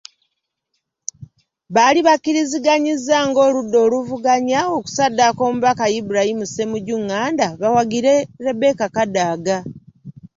Baali bakkiriziganyizza ng’oludda oluvuganya, okusaddaaka omubaka Ibrahim Ssemujju Nganda, bawagire Rebecca Kadaga .